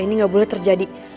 ini nggak boleh terjadi